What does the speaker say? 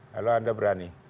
kalau anda berani